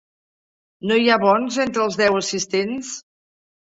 No hi ha bons entre els deu assistents?